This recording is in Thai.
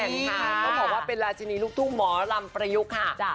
ต้องบอกว่าเป็นราชินีลูกทุ่งหมอลำประยุกต์ค่ะ